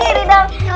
itu dalam mulutnya